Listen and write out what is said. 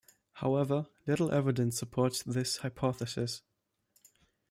However, little evidence supports this hypothesis.